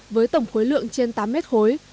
với tổng khối lượng trên tám mét khối